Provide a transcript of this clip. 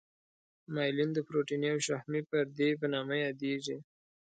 مایلین د پروتیني او شحمي پردې په نامه یادیږي.